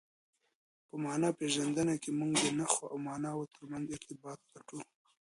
په مانا پېژندنه کښي موږ د نخښو او ماناوو ترمنځ ارتباط پلټو.